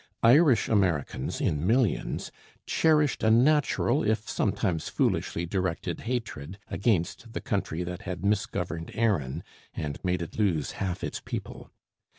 Irish Americans in millions cherished a natural if sometimes foolishly directed hatred against the country that had misgoverned Erin and made it lose half its people.